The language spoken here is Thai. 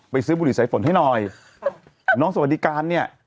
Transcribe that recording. ซื้อบุหรี่สายฝนให้หน่อยน้องสวัสดิการเนี่ย